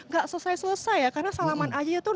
gak selesai selesai ya karena salaman aja tuh